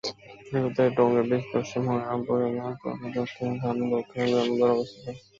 এর উত্তরে টঙ্গী ব্রীজ, পশ্চিমে হরিরামপুর ইউনিয়ন, পূর্বে দক্ষিণ খান ও দক্ষিণে বিমানবন্দর অবস্থিত।